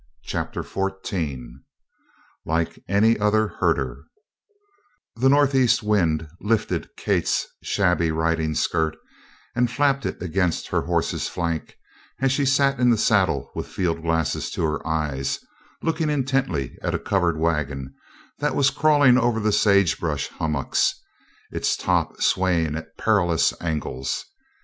CHAPTER XIV LIKE ANY OTHER HERDER The northeast wind lifted Kate's shabby riding skirt and flapped it against her horse's flank as she sat in the saddle with field glasses to her eyes looking intently at a covered wagon that was crawling over the sagebrush hummocks, its top swaying at perilous angles.